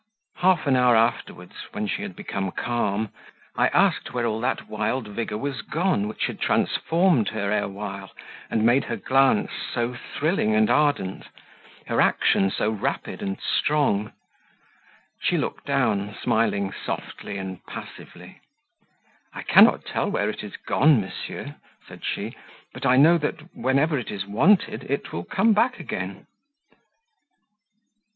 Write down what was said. Half an hour afterwards, when she had become calm, I asked where all that wild vigour was gone which had transformed her ere while and made her glance so thrilling and ardent her action so rapid and strong. She looked down, smiling softly and passively: "I cannot tell where it is gone, monsieur," said she, "but I know that, whenever it is wanted, it will come back again."